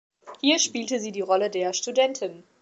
Hier spielte sie die Rolle der „Studentin“.